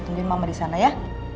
tungguin mama disana ya